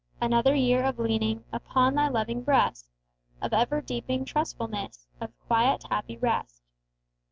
Another year of leaning Upon Thy loving breast, Of ever deepening trustfulness, Of quiet, happy rest.